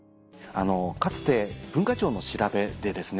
かつて文化庁の調べでですね